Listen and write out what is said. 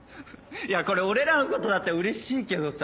これ俺らのことだったらうれしいけどさ！